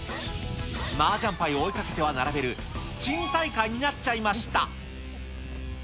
マージャンパイを追いかけては並べる珍大会になっちゃいました。